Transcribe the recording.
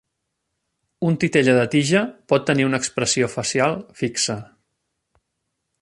Un titella de tija pot tenir una expressió facial fixa.